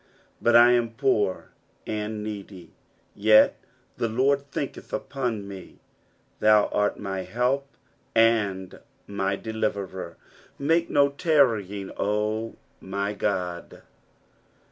17 But I am poor and needy ; yet the Lord thinketh upon me : thou art my help and my deliverer ; make no tarrying, O my God.